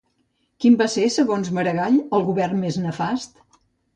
Quin va ser, segons Maragall, el govern més nefast?